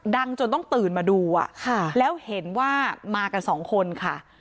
จนต้องตื่นมาดูแล้วเห็นว่ามากันสองคนค่ะ